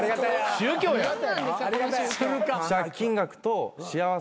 宗教やん。